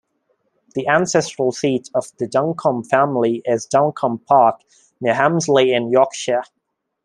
The ancestral seat of the Duncombe family is Duncombe Park near Helmsley in Yorkshire.